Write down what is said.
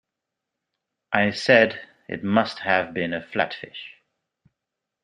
I said it must have been a flatfish.